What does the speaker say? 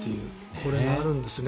これがあるんですね